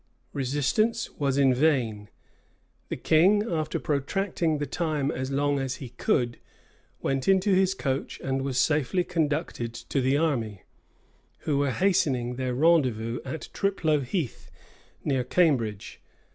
Resistance was vain. The king, after protracting the time as long as he could, went into his coach and was safely conducted to the army, who were hastening to their rendezvous at Triplo Heath, near Cambridge.